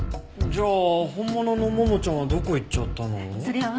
じゃあ本物のももちゃんはどこ行っちゃったの？